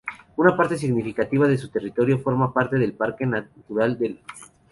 Una parte significativa de su territorio forma parte del Parque Natural de Sierra Mágina.